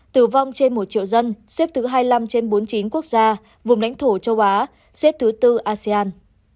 tử vong trên một triệu dân xếp thứ hai mươi năm trên bốn mươi chín quốc gia vùng lãnh thổ châu á xếp thứ tư asean